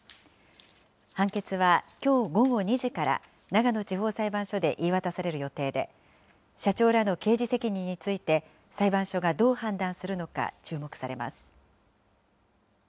判決はきょう午後２時から、長野地方裁判所で言い渡される予定で、社長らの刑事責任について裁判所がどう判断するのか注目されます。